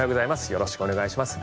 よろしくお願いします。